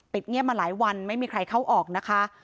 เงียบมาหลายวันไม่มีใครเข้าออกนะคะ